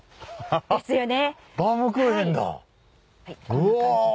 うわ！